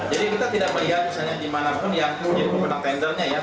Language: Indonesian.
jadi kita tidak melihat misalnya dimanapun yang punya pemenang tendernya ya